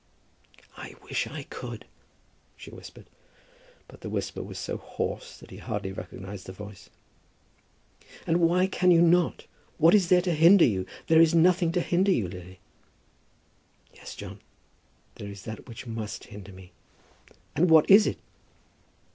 "I wish I could," she whispered; but the whisper was so hoarse that he hardly recognized the voice. "And why can you not? What is there to hinder you? There is nothing to hinder you, Lily." "Yes, John; there is that which must hinder me." "And what is it?"